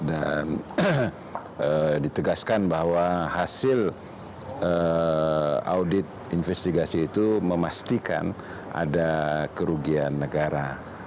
dan ditegaskan bahwa hasil audit investigasi itu memastikan ada kerugian negara